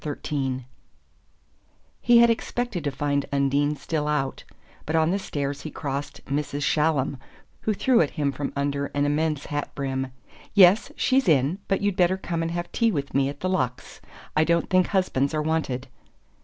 XIII He had expected to find Undine still out; but on the stairs he crossed Mrs. Shallum, who threw at him from under an immense hat brim: "Yes, she's in, but you'd better come and have tea with me at the Luxe. I don't think husbands are wanted!"